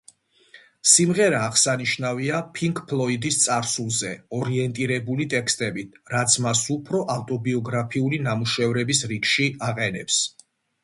სიმღერა აღსანიშნავია პინკ ფლოიდის წარსულზე ორიენტირებული ტექსტებით, რაც მას უფრო ავტობიოგრაფიული ნამუშევრების რიგში აყენებს.